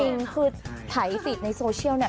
สิ่งคือถ่ายสิทธิ์ในโซเชียล